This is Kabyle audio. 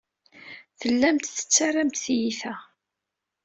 Tellamt tettarramt tiyita.